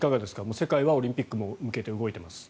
世界はオリンピックに向けて動いています。